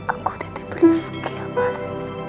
aku dititip rifqi ya mas